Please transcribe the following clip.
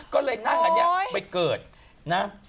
ก็เลยนั่งอันนี้ไปเกิดนะ